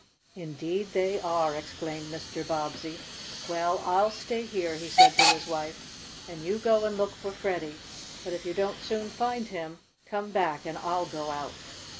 "Indeed they are!" exclaimed Mr. Bobbsey. "Well, I'll stay here," he said to his wife, "and you go and look for Freddie. But if you don't soon find him come back and I'll go out."